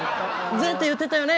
「ぜ」って言ってたよね